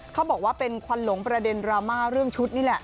เขาบอกว่าเป็นควันหลงประเด็นดราม่าเรื่องชุดนี่แหละ